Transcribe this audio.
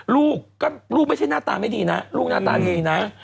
ลูกก็ลูกไม่ใช่หน้าตาไม่ดีนะลูกหน้าตาดีนะ